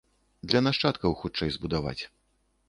Для нашчадкаў хутчэй збудаваць.